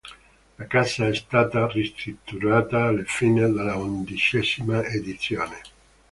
La casa è stata ristrutturata alla fine della undicesima edizione.